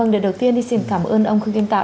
điều đầu tiên xin cảm ơn ông khương kim tạo